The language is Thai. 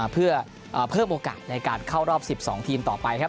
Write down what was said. เพื่อเพิ่มโอกาสในการเข้ารอบ๑๒ทีมต่อไปครับ